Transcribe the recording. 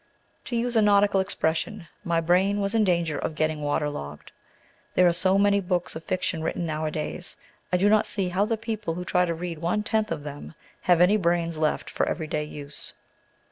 To use a nautical expression, my brain was in danger of getting "water logged." There are so many more books of fiction written nowadays, I do not see how the young people who try to read one tenth of them have any brains left for every day use.